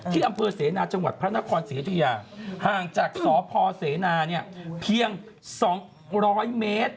ที่อำเภอเสนาจังหวัดพระนครศรียุธยาห่างจากสพเสนาเนี่ยเพียง๒๐๐เมตร